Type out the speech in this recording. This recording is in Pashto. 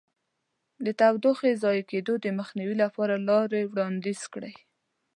د تودوخې ضایع کېدو د مخنیوي لپاره لارې وړاندیز کړئ.